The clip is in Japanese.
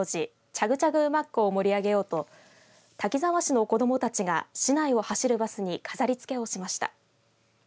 チャグチャグ馬コを盛り上げようと滝沢市の子どもたちが市内を走るバスに飾りつけをしました。